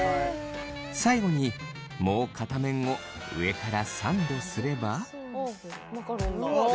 最後にもう片面を上からサンドすれば。